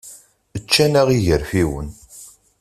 Ččan-aɣ yigerfiwen.